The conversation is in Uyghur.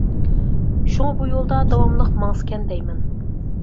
شۇڭا بۇ يولدا داۋاملىق ماڭسىكەن دەيمەن.